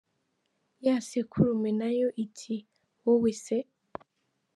Ya sekurume na yo iti: wowe se????.